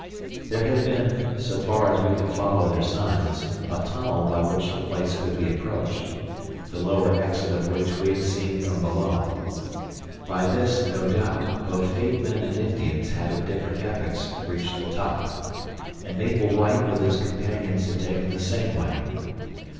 There had been, so far as we could follow their signs, a tunnel by which the place could be approached, the lower exit of which we had seen from below. By this, no doubt, both ape men and Indians had at different epochs reached the top, and Maple White with his companion had taken the same way.